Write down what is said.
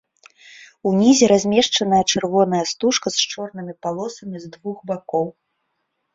Унізе размешчаная чырвоная стужка з чорнымі палосамі з двух бакоў.